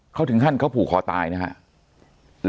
เขาถึงขั้นเขาผูกคอตายนะครับ